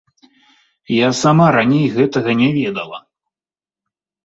Я сама раней гэтага не ведала.